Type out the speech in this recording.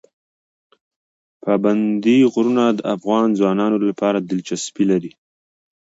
پابندی غرونه د افغان ځوانانو لپاره دلچسپي لري.